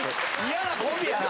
嫌なコンビやな。